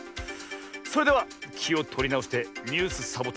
それではきをとりなおして「ニュースサボ１０」